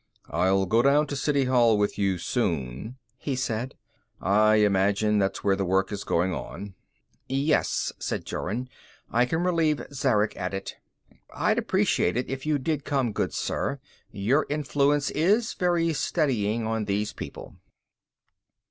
"I'll go down to City Hall with you soon," he said; "I imagine that's where the work is going on." "Yes," said Jorun, "I can relieve Zarek at it. I'd appreciate it if you did come, good sir. Your influence is very steadying on these people."